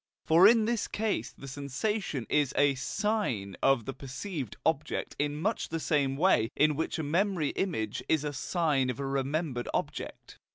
For in this case the sensation is a SIGN of the perceived object in much the same way in which a memory image is a sign of a remembered object.